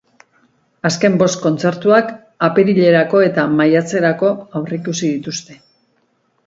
Azken bost kontzertuak apirilerako eta maiatzerako aurreikusi dituzte.